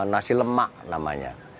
nasi lemak namanya